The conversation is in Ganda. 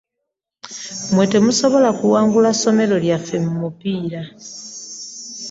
Mwe temusobola kuwangula ssomero lyaffe mu mupiira.